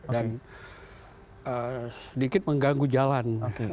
dan sedikit mengganggu jalan